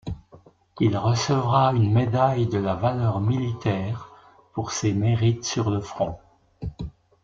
Il recevra une médaille de la valeur militaire pour ses mérites sur le front.